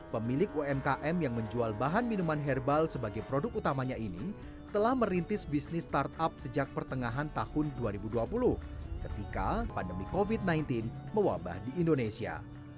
pemilik umkm yang menjual bahan minuman herbal sebagai produk utamanya ini telah merintis bisnis startup sejak pertengahan tahun dua ribu dua puluh ketika pandemi covid sembilan belas mewabah di indonesia